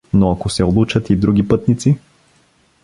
— Но ако се улучат и други пътници?